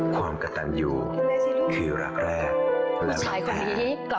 ความกระตันอยู่คือหลักแรกและหลักแรก